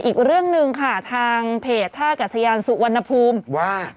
อีกเรื่องหนึ่งค่ะทางเพจท่ากัศยานสุวรรณภูมิว่า